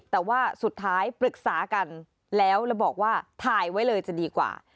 แต่ว่าสุดท้ายปรึกษากันแล้วแล้วบอกว่าถ่ายไว้เลยจะดีกว่า